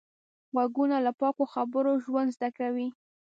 غوږونه له پاکو خبرو ژوند زده کوي